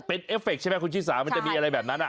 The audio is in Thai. เป็นเอฟเฟคใช่ไหมคุณชิสามันจะมีอะไรแบบนั้น